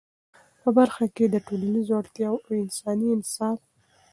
په برخه کي د ټولنیزو اړتیاوو او انساني انصاف